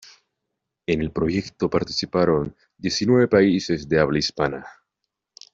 En el proyecto participaron diecinueve países de habla hispana.